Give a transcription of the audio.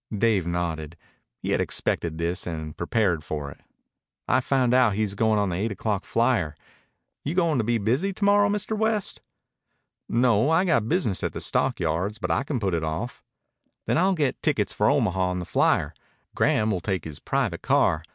Dave nodded. He had expected this and prepared for it. "I've found out he's going on the eight o'clock flyer. You going to be busy to morrow, Mr. West?" "No. I got business at the stockyards, but I can put it off." "Then I'll get tickets for Omaha on the flyer. Graham will take his private car.